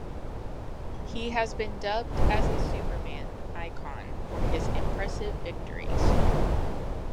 He has been dubbed as a "Superman" icon for his impressive victories.